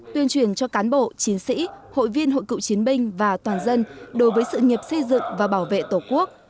tuyên truyền cho cán bộ chiến sĩ hội viên hội cựu chiến binh và toàn dân đối với sự nghiệp xây dựng và bảo vệ tổ quốc